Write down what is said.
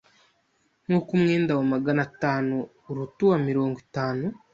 nkuko umwenda wa magana atanu uruta uwa mirongo itanu.